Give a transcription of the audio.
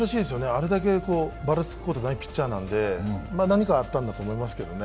あれだけばらつくことないピッチャーなので何かあったんだと思いますけどね。